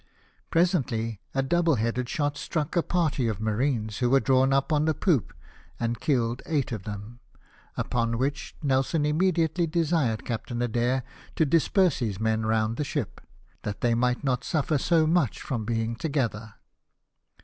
" Presently a double headed shot struck a party of marines, who were drawn up on the poop, and killed eight of them ; upon which Nelson immediately desired Captain Adair to disperse his men round the ship, that they might not suffer so much from being together.